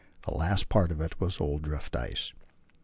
the last part of it was old drift ice.